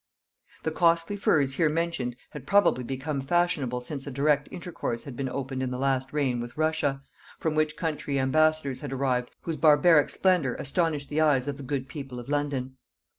The costly furs here mentioned had probably become fashionable since a direct intercourse had been opened in the last reign with Russia, from which country ambassadors had arrived, whose barbaric splendor astonished the eyes of the good people of London.